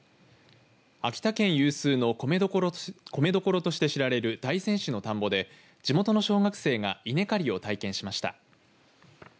秋田県有数の米どころとして知られる大仙市の田んぼで地元の小学生が稲刈りを体験しました。